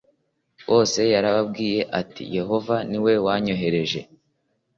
Bose yarababwiye ati Yehova ni we wanyohereje